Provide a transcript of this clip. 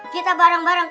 kita bareng bareng